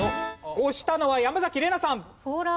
押したのは山崎怜奈さん。